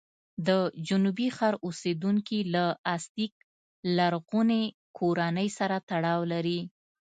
د جنوبي ښار اوسېدونکي له ازتېک لرغونې کورنۍ سره تړاو لري.